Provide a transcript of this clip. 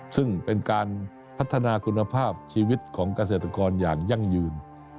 ซึ่งเป็นการพัฒนาคุณภาพชีวิตของเกษตรกรอย่างยั่งยืน